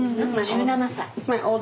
１７歳？